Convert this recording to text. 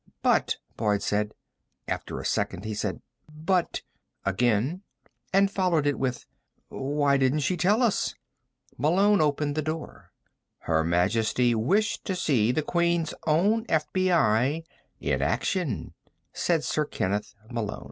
"But," Boyd said. After a second he said: "But," again, and followed it with: "Why didn't she tell us?" Malone opened the door. "Her Majesty wished to see the Queen's Own FBI in action," said Sir Kenneth Malone.